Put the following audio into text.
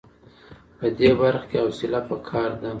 په دې برخه کې حوصله په کار ده.